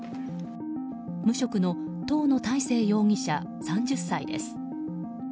無職の東野大成容疑者３０歳です。